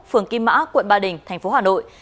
phường kim mã quận ba đình tp hà nội